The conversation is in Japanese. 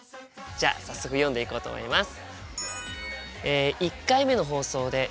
じゃあ早速読んでいこうと思います。